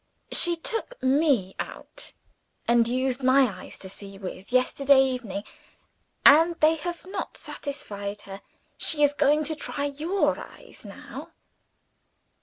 She took me out, and used my eyes to see with, yesterday evening; and they have not satisfied her. She is going to try your eyes, now."